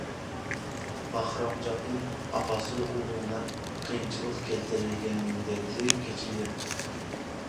Бахрамжандын апасы уулуна кыйынчылык келтиргендерди кечирген.